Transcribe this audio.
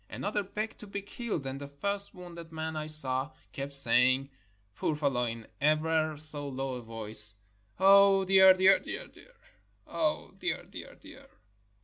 Another begged to be killed, and the first wounded man I saw kept saying, poor fellow, in ever so low a voice, " Oh, dear, dear, dear! Oh, dear, dear, dear!"